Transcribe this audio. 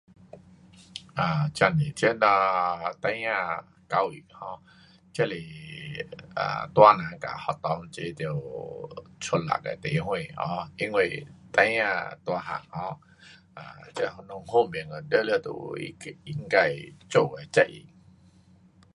um 是的，这哒孩儿教育 um 这是 um 大人和学校齐得出力的地方 um 因为孩儿大个 um 这什么全部方面全部有应该做的责任。